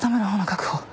確保。